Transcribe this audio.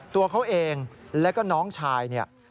ตัวเขาเองแล้วก็น้องชาย